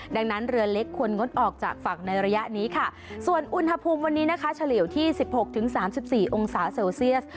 ดังนั้นเรือเล็กควรงดออกจากฝั่งในระยะนี้ค่ะส่วนอุณหภูมิวันนี้นะคะเฉลี่ยวที่๑๖๓๔องศาเซลเซียส